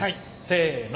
せの。